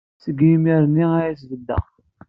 Seg yimir-nni ay as-beddeɣ.